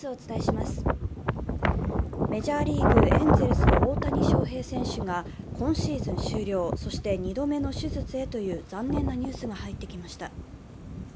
メジャーリーグ、エンゼルス・大谷翔平選手が今シーズン終了、そして２度目の手術へという、残念なニュースが入ってきました。